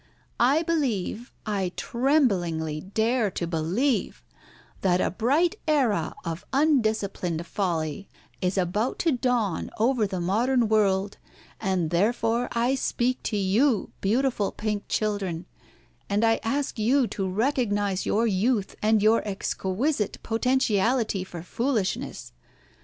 I believe, I tremblingly dare to believe, that a bright era of undisciplined folly is about to dawn over the modern world, and therefore I speak to you, beautiful pink children, and I ask you to recognise your youth, and your exquisite potentiality for foolishness.